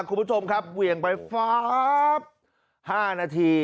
คุณผู้ชมครับเวียงไป๕นาที